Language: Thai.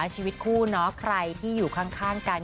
ชีวิตคู่เนาะใครที่อยู่ข้างกัน